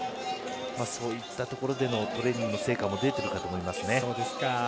そういったところでのトレーニングの成果が出ているかと思います。